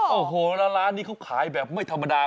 โอ้โหแล้วร้านนี้เขาขายแบบไม่ธรรมดา